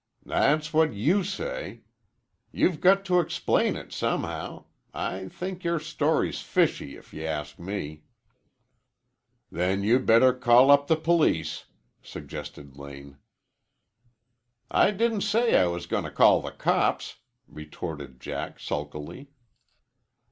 "That's what you say. You've got to explain it somehow. I think your story's fishy, if you ask me." "Then you'd better call up the police," suggested Lane. "I didn't say I was going to call the cops," retorted Jack sulkily.